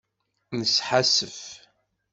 Nesḥassef.